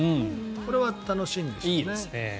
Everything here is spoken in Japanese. これは楽しいんでしょうね。